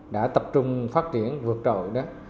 đã tập trung phát triển vượt trội đó